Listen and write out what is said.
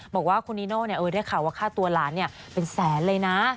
บอกว่าคุณนิโน่ได้ข่าวว่าค่าตัวหลานเป็นแสนเลยนะ